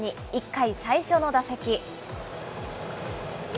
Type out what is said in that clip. １回、最初の打席。